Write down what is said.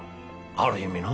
ある意味な。